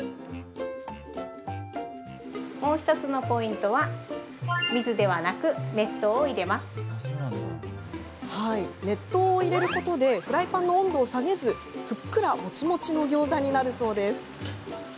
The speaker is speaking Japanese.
もう１つのポイントは熱湯を入れることでフライパンの温度を下げずふっくらもちもちのギョーザになるそうです。